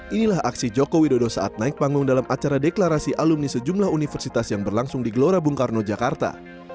inilah aksi joko widodo saat naik panggung dalam acara deklarasi alumni sejumlah universitas yang berlangsung di gelora bung karno jakarta